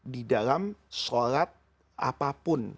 di dalam sholat apapun